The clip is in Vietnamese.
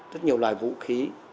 rất nhiều loại vũ khí